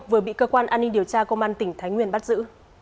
vừa bị cơ quan an ninh điều tra công an tỉnh thái nguyên bắt giữ